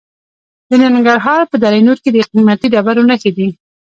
د ننګرهار په دره نور کې د قیمتي ډبرو نښې دي.